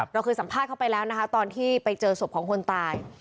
เราเคยสัมภาษณ์เขาไปแล้วนะคะตอนที่ไปเจอศพของคนตาย